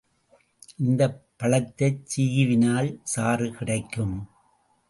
இந்த பழத்தைச் சீவினால் சாறு கிடைக்கும்.